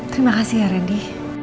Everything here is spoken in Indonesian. terima kasih ya randy